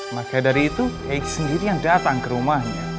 maka dari itu eij sendiri yang datang ke rumahnya